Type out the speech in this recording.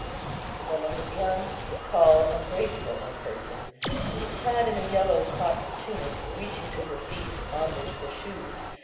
The woman was young, tall, and graceful in person. She was clad in a yellow cotton tunic, reaching to her feet, on which were shoes.